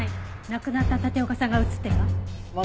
亡くなった立岡さんが映ってるわ。